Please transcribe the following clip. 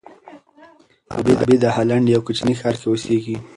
غابي د هالنډ یوه کوچني ښار کې اوسېږي.